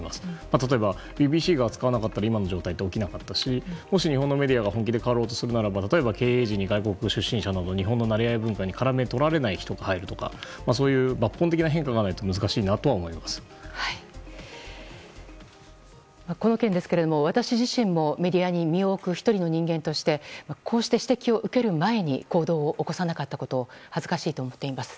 例えば、ＢＢＣが扱わなかったら今の状態は起きなかったしもし日本のメディアが本気で変わろうとするならば例えば経営者に外部関係者など利害関係にとらわれない者を入れるなどこの件ですが私自身もメディアに身を置く１人の人間としてこうして指摘を受ける前に行動を起こさなかったことを恥ずかしいと思っています。